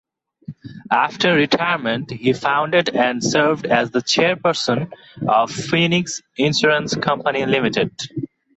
After retirement he founded and served as the chairperson of Phoenix Insurance Company Limited.